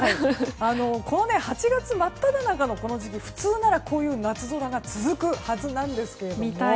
この８月真っただ中のこの時期普通なら、こういう夏空が続くはずなんですけれども。